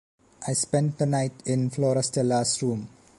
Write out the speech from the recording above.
I spent the night in Florastella’s room.